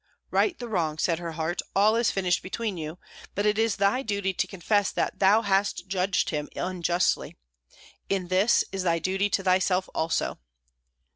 "Right the wrong," said her heart; "all is finished between you, but it is thy duty to confess that thou hast judged him unjustly. In this is thy duty to thyself also."